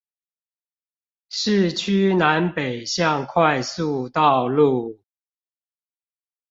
市區南北向快速道路